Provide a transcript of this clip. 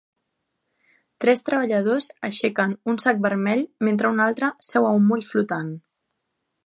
Tres treballadors aixequen un sac vermell mentre un altre seu a un moll flotant.